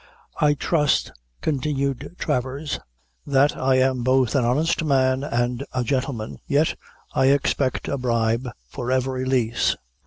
"I trust," continued Travers, "that I am both an honest man and a gentleman, yet I expect a bribe for every lease."